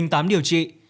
bệnh viện sát